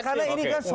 karena ini kan soal